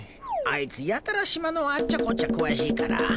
あいつやたら島のあっちゃこっちゃ詳しいから。